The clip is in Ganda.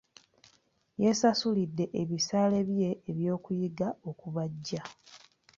Yeesasulidde ebisale bye eby'okuyiga okubajja.